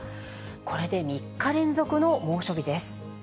これで３日連続の猛暑日です。